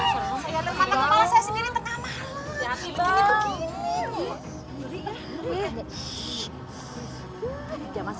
saya nyara mata kepala saya sendiri tengah malam